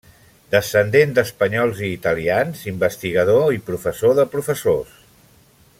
Descendent d'espanyols i italians, investigador i professor de professors.